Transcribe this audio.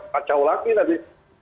kacau lagi tadi